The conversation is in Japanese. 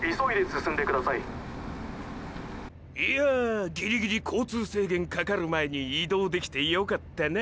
いやぁギリギリ交通制限かかる前に移動できてよかったな！！